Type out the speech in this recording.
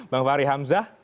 bang fahri hamzah